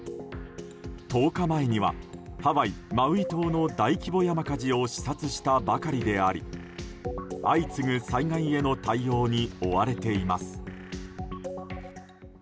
１０日前にはハワイ・マウイ島の大規模山火事を視察したばかりであり相次ぐ災害への対応に追われています。